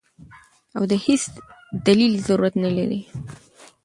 او د هېڅ دليل ضرورت نۀ لري -